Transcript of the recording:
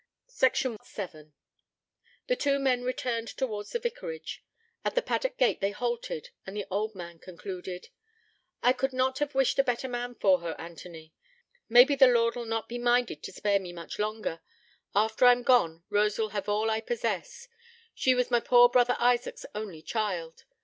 VII The two men returned towards the vicarage. At the paddock gate they halted, and the old man concluded: 'I could not have wished a better man for her, Anthony. Mabbe the Lord'll not be minded to spare me much longer. After I'm gone Rosa'll hev all I possess. She was my poor brother Isaac's only child.